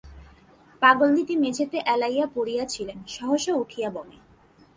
পাগলদিদি মেঝেতে এলাইয়া পড়িয়া ছিলেন, সহসা উঠিয়া বনে।